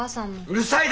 うるさい！